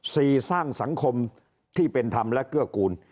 สี่สร้างสังคมที่เป็นธรรมและเกื้อกูล